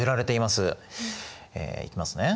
いきますね。